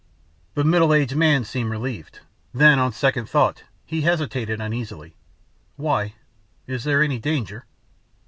The middle aged man seemed relieved. Then, on second thought, he hesitated uneasily, "Why? Is there any danger?"